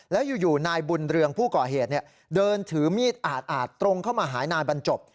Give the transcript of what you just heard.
แล้วอยู่นายบุญเรืองผู้ก่อเหตุเดินถือมีดอาดตรงเข้ามาหานายบรรจบ